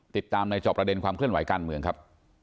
ติดตามในจอบประเด็นความขึ้นไหวกล้านเมืองครับ